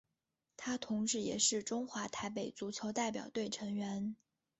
他同时也是中华台北足球代表队成员。